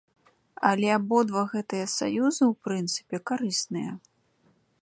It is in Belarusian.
Але абодва гэтыя саюзы, у прынцыпе, карысныя.